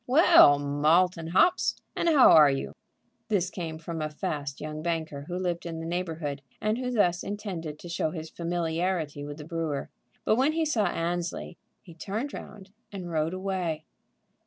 "Well, Malt and hops, and how are you?" This came from a fast young banker who lived in the neighborhood, and who thus intended to show his familiarity with the brewer; but when he saw Annesley, he turned round and rode away.